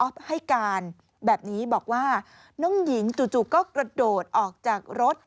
ให้การแบบนี้บอกว่าน้องหญิงจู่ก็กระโดดออกจากรถ